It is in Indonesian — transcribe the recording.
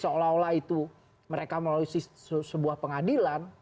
seolah olah itu mereka melalui sebuah pengadilan